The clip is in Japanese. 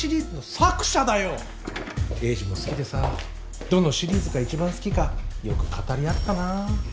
栄治も好きでさどのシリーズが一番好きかよく語り合ったなぁ。